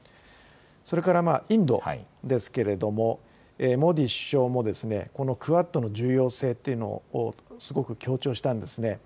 それからインドですけれども、モディ首相も、このクアッドの重要性というのをすごく強調したんですね。